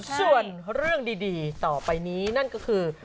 ส่วนเรื่องดีต่อไปนี้นั่นก็คือ